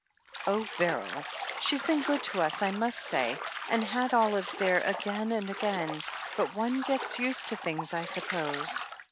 "Oh, Beryl I She's been good to us, I must say, and had Olive there again and again — but one gets used to things, I suppose.